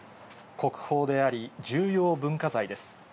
国宝であり、重要文化財です。